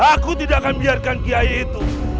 aku tidak akan biarkan kiai itu